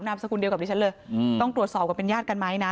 สกุลเดียวกับดิฉันเลยต้องตรวจสอบว่าเป็นญาติกันไหมนะ